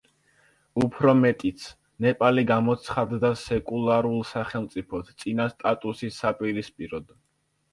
უფრო მეტიც, ნეპალი გამოცხადდა სეკულარულ სახელმწიფოდ, წინა სტატუსის საპირისპიროდ.